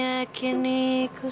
nishtaya dia akan merasa terhibur